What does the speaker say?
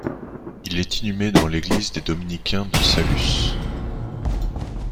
Il est inhumé dans l'église des dominicains de Saluces.